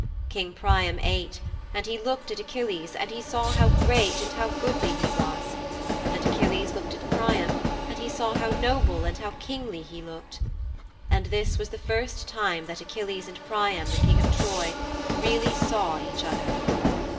"' 'King Priam ate, and he looked at Achilles and he saw how great and how goodly he was. And Achilles looked at Priam and he saw how noble and how kingly he looked. And this was the first time that Achilles and Priam the King of Troy really saw each other.'